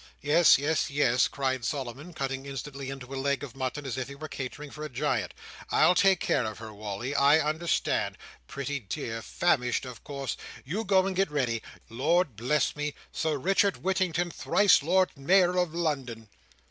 "Yes, yes, yes," cried Solomon, cutting instantly into a leg of mutton, as if he were catering for a giant. "I'll take care of her, Wally! I understand. Pretty dear! Famished, of course. You go and get ready. Lord bless me! Sir Richard Whittington thrice Lord Mayor of London."